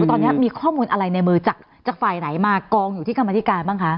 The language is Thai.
ตอนนี้มีข้อมูลอะไรในมือจากฝ่ายไหนมากองอยู่ที่กรรมธิการบ้างคะ